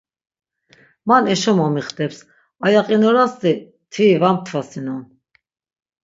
Man eşo momixteps, aya qinorasti mtviri va mtvasinon.